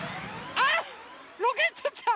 あっロケットちゃん。